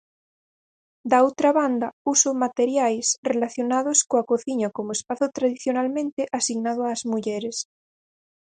Da outra banda, uso materiais relacionados coa cociña como espazo tradicionalmente asignado ás mulleres.